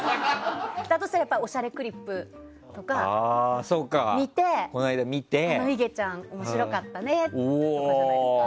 だとしたら「おしゃれクリップ」とか見ていげちゃん面白かったねとかじゃないですか？